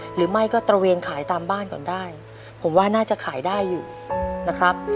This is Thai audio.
หรือไม่ก็ตระเวนขายตามบ้านก่อนได้ผมว่าน่าจะขายได้อยู่นะครับ